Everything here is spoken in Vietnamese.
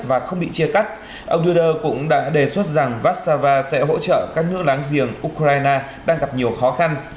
và không bị chia cắt ông duder cũng đã đề xuất rằng vassava sẽ hỗ trợ các nước láng giềng ukraine đang gặp nhiều khó khăn